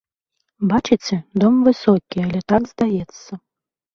Бачыце, дом высокі, але так здаецца.